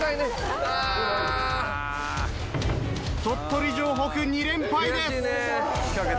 鳥取城北２連敗です。